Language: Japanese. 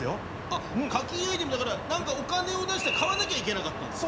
あっ課金アイテムだから何かお金を出して買わなきゃいけなかったんだ。